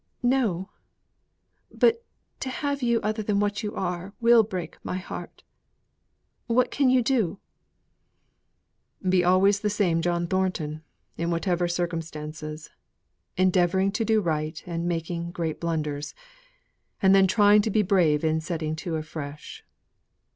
"No! but to have you other than what you are will break my heart. What can you do?" "Be always the same John Thornton in whatever circumstances; endeavouring to do right, and making great blunders; and then trying to be brave in setting to afresh.